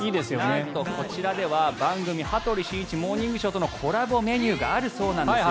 なんとこちらでは、番組「羽鳥慎一モーニングショー」とのコラボメニューがあるそうなんですよ。